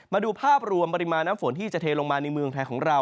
มาดูภาพรวมปริมาณน้ำฝนที่จะเทลงมาในเมืองไทยของเรา